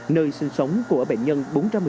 nơi sinh sống của bệnh nhân bốn trăm một mươi